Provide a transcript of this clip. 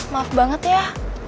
maaf banget ya